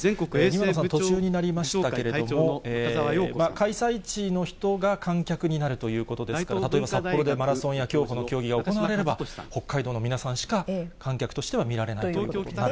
庭野さん、途中になりましたけれども、開催地の人が観客になるということですから、例えばこれでマラソンや競歩の競技が行われれば、北海道の皆さんしか観客として見られないということになる。